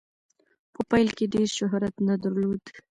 په پیل کې یې ډیر شهرت نه درلود.